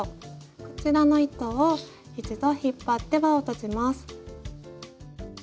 こちらの糸を一度引っ張って輪を閉じます。